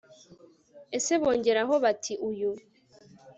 ese Bongeraho bati uyu